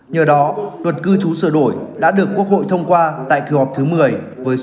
nhờ đó luật cư chú sửa đổi đã được quốc hội thông qua tại kỳ họp thứ một mươi với số phiếu rất cao